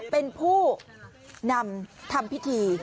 เป็นผู้นำทำพิธี